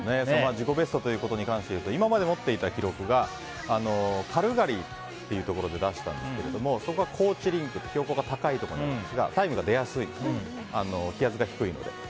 自己ベストということに関して言うと今まで持っていた記録がカルガリーってところで出したんですけどそこは高地リンク標高が高いんですがタイムが出やすい気圧が低いので。